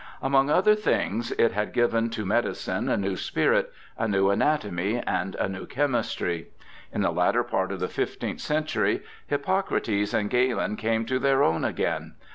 Among other things, it had given to medicine a new spirit, a new anatomy, and a new chemistry. In the latter part of the fifteenth century Hippocrates and Galen came to their own again.